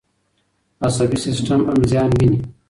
عصبي سیستم هم زیان ویني.